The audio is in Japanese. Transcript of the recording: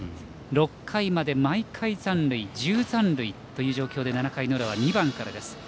６回まで毎回残塁１０残塁という状況の中で７回の裏は２番からです。